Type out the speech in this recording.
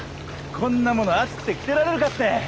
こんなもの暑くて着てられるかって。